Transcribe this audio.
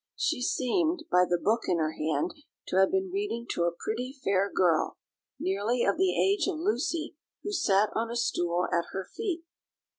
She seemed, by the book in her hand, to have been reading to a pretty fair girl, nearly of the age of Lucy, who sat on a stool at her feet.